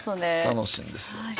楽しいんですよ。